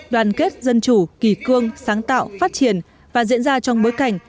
đoàn kết dân chủ kỳ cương sáng tạo phát triển và diễn ra trong bối cảnh